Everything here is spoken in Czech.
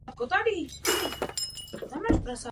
V Kanadě jde kromě drog také o obchod se zbraněmi.